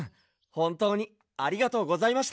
ほんとうにありがとうございました。